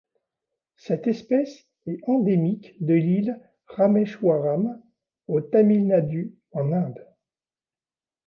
Cette espèce est endémique de l'île Rameshwaram au Tamil Nadu en Inde.